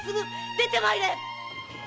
出てまいれ！